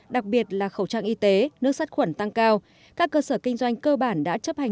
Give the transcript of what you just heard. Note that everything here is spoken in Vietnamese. đặc biệt là khẩu trang y tế nước sát khuẩn tăng cao các cơ sở kinh doanh cơ bản đã chấp hành